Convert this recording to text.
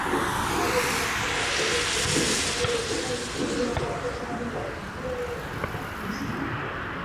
阿布加国家体育场是一座位于奈及利亚阿布加的全座位国家体育场。